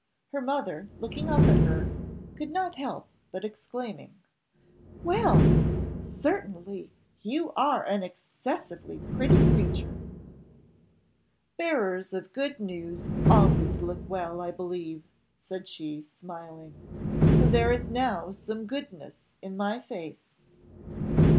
Her mother, looking up at her, could not help exclaiming, "Well! certainly, you are an excessively pretty creature!" "Bearers of good news always look well, I believe," said she, smiling; "so there is now some goodness in my face."